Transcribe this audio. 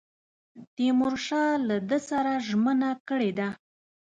تیمورشاه له ده سره ژمنه کړې ده.